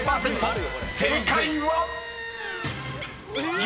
［正解は⁉］